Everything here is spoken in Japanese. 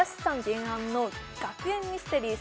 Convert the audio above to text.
原案の学園ミステリー